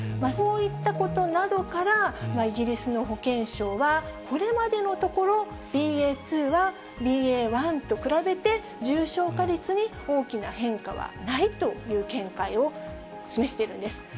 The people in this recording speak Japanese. そういったことなどから、イギリスの保健省は、これまでのところ、ＢＡ．２はＢＡ．１と比べて、重症化率に大きな変化はないという見解を示しているんです。